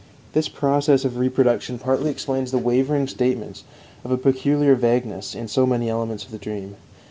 This process of reproduction partly explains the wavering statements, of a peculiar vagueness, in so many elements of the dream.